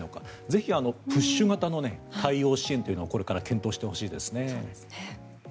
ぜひプッシュ型の対応支援というのをこれから検討してほしいですね。